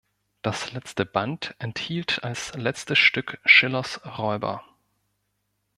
Der letzte Band enthielt als letztes Stück Schillers „Räuber“.